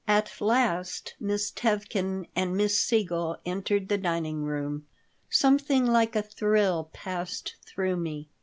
At last Miss Tevkin and Miss Siegel entered the dining room. Something like a thrill passed through me.